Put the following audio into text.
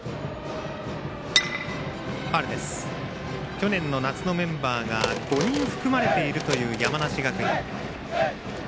去年の夏のメンバーが５人、含まれているという山梨学院。